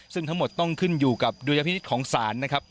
ซึ่งทั้งหมดต้องขึ้นอยู่กับดุลยพินิษฐ์ของศาลนะครับ